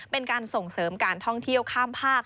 เป็นการส่งเสริมการท่องเที่ยวข้ามภาค